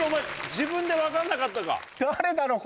自分で分かんなかったか？